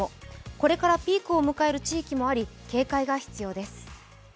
これからピークを迎える地域もあり警戒が必要です。